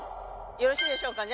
よろしいでしょうか？